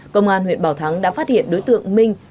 công an huyện bảo thắng đã phát hiện đối tượng minh đang sử dụng